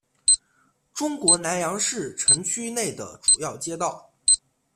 中国南阳市城区内的主要街道。